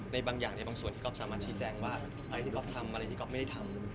บางอย่างในบางส่วนที่ก๊อฟสามารถชี้แจงว่าอะไรที่ก๊อฟทำอะไรที่ก๊อฟไม่ได้ทำ